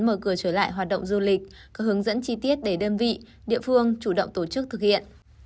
mở cửa trở lại hoạt động du lịch có hướng dẫn chi tiết để đơn vị địa phương chủ động tổ chức thực hiện